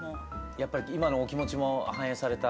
やっぱり今のお気持ちも反映された？